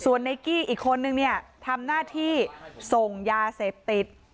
ส่วนไนกี้อีกคนนึงเนี่ยทำหน้าที่ส่งยาเสพติด